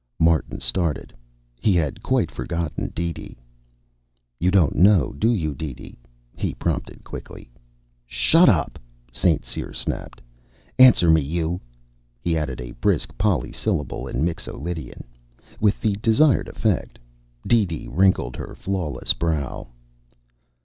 Martin started. He had quite forgotten DeeDee. "You don't know, do you, DeeDee?" he prompted quickly. "Shut up," St. Cyr snapped. "Answer me, you " He added a brisk polysyllable in Mixo Lydian, with the desired effect. DeeDee wrinkled her flawless brow.